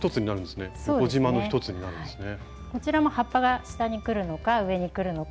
こちらも葉っぱが下にくるのか上にくるのか